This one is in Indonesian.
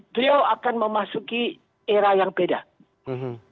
dia akan memasuki era yang lain